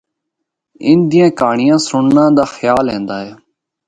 ان دیاں کہانڑیاں سنڑنا دا خیال ایندا ہے۔